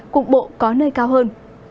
cụng bộ có nơi cao hơn